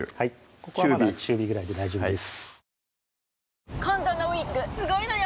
ここは中火ぐらいで大丈夫です